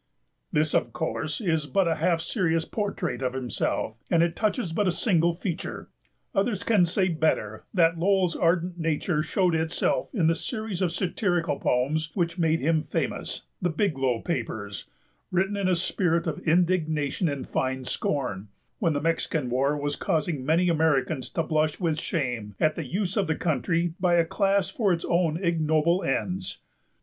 This, of course, is but a half serious portrait of himself, and it touches but a single feature; others can say better that Lowell's ardent nature showed itself in the series of satirical poems which made him famous, The Biglow Papers, written in a spirit of indignation and fine scorn, when the Mexican War was causing many Americans to blush with shame at the use of the country by a class for its own ignoble ends.